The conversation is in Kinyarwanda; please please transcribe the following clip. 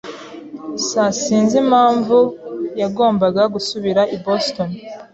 [S] Sinzi impamvu yagombaga gusubira i Boston.